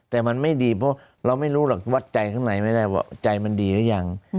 แต่มันไม่ดีเพราะเราไม่รู้หรอกวัดใจข้างในไม่ได้ว่าใจมันดีหรือยัง